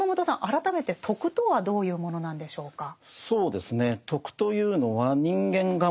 改めて「徳」とはどういうものなんでしょうか？